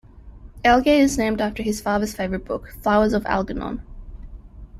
Alge is named after his father's favorite book, "Flowers for Algernon".